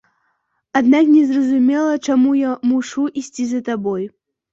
Аднак незразумела, чаму я мушу ісці за табой.